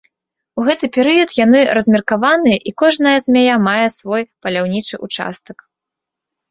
У гэты перыяд яны размеркаваныя, і кожная змяя мае свой паляўнічы ўчастак.